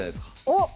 おっ！